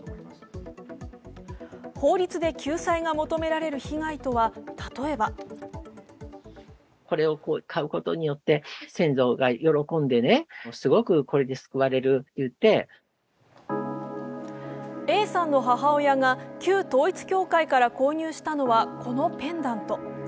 法律で救済が求められる被害とは例えばＡさんの母親が旧統一教会から購入したのは、このペンダント。